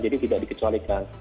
jadi tidak dikecualikan